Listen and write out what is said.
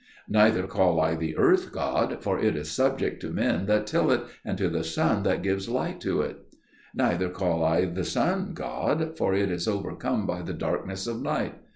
Neither call I the earth god, for it is subject to men that till it, and to the sun that gives light to it. Neither call I the sun god, for it is overcome by the darkness of night.